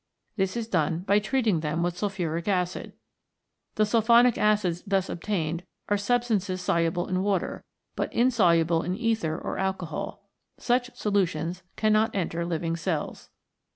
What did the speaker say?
This is done by treating them with sulphuric acid. The sulphonic acids thus obtained are substances soluble in water, but insoluble in ether or alcohol. Such solutions cannot enter living cells.